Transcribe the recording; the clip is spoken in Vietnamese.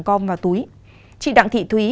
con vào túi chị đặng thị thúy